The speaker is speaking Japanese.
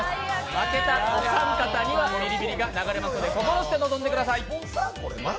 負けたお三方にはビリビリが流れますので、心して臨んでください。